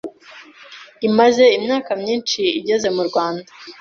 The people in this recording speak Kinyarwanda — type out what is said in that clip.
imaze imyaka myinshi igeze mu Rwanda